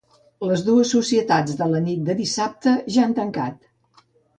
Les dues societats de la nit de dissabte ja han tancat.